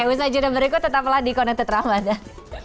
oke bisa juga berikut tetap lah di connected ramadan